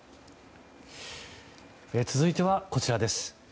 続いては、こちらです。